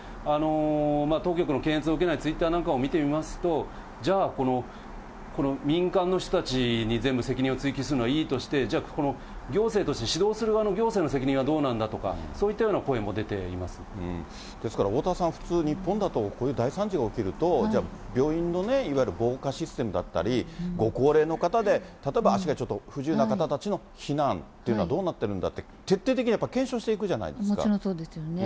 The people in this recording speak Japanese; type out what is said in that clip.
当局の検閲を受けないツイッターなんかも見てみますと、じゃあこの民間の人たちに全部責任を追及するのはいいとして、じゃあ、この行政として指導する側の行政の責任はどうなんだとか、そういですから、おおたわさん、普通日本だと、こういう大惨事が起きるとじゃあ、病院のね、いわゆる防火システムだったり、ご高齢の方で例えば足がちょっと不自由な方たちの避難というのはどうなってるんだって、徹底的にやっぱり検証していくじゃないでもちろん、そうですよね。